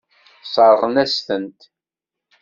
Sseṛɣen-as-tent.